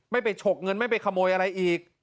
ไม่ไปฉกเงินไม่ไปขโมยอะไรอีก